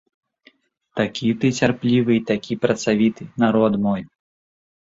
Такі ты цярплівы і такі працавіты, народ мой.